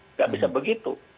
nggak bisa begitu